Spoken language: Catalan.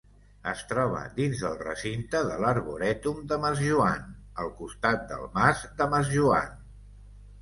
Es troba dins del recinte de l'Arborètum de Masjoan, al costat del mas de Masjoan.